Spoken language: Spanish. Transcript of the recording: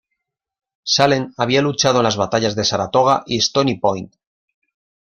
Salem había luchado en las batallas de Saratoga y Stony Point.